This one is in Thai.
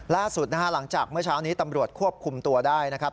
ล่าสุดนะฮะหลังจากเมื่อเช้านี้ตำรวจควบคุมตัวได้นะครับ